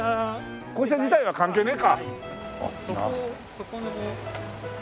校舎自体は関係ねえか。